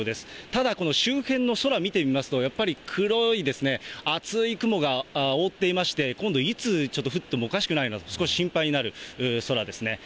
ただ、この周辺の空見てみますと、やっぱり黒い厚い雲が覆っていまして、今度いつ降ってもおかしくないなと、少し心配になる空ですね。